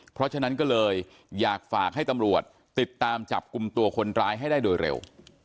เพราะฉะนั้นก็เลยอยากฝากให้ตำรวจติดตามจับกลุ่มตัวคนร้ายให้ได้โดยเร็ว